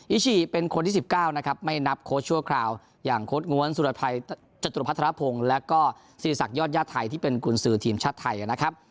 อิชิเป็นคนที่๑๙ไม่นับโค้ชชั่วคราวอย่างโค้ชงวลสุรภัยจตุรพัฒนภงและก็ศิรษักยอดยาทัยที่เป็นกุญสือทีมชาติไทยนะครับ